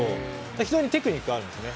非常にテクニックはあるんですね。